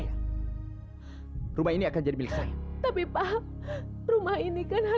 jangan ambil rumah saya